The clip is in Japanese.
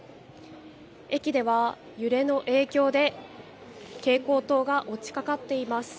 駅では揺れの影響で、蛍光灯が落ちかかっています。